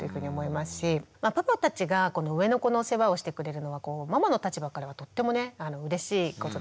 パパたちが上の子の世話をしてくれるのはママの立場からはとってもねうれしいことです。